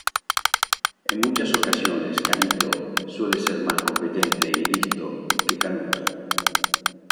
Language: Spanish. En muchas ocasiones Canito suele ser más competente y listo que Canuto.